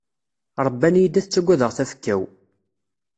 Ṛebban-iyi-d ad ttaggadeɣ tafekka-w.